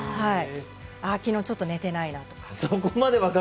きのうちょっと寝ていないなとか。